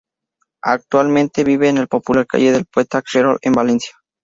Actualmente vive en la popular calle del Poeta Querol en Valencia.